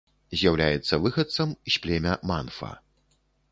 З'яўляецца выхадцам з племя манфа.